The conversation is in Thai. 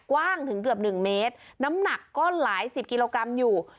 กว้างถึงเกือบ๑เมตรน้ำหนักก็หลายสิบกิโลกรัมอยู่